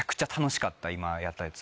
今やったやつ。